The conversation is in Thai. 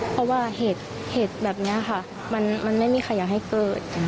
เพราะว่าเหตุแบบนี้ค่ะมันไม่มีใครอยากให้เกิด